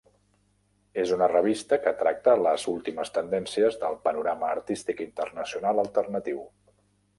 És una revista que tracta les últimes tendències del panorama artístic internacional alternatiu.